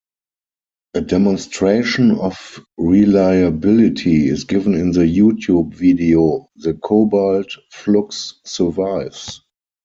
A demonstration of reliability is given in the YouTube video, "The Cobalt Flux survives!".